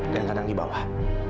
dan kadang di bawah